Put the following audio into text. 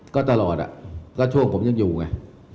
ก็ตลอดอ่ะก็โชคผมยังอยู่ไง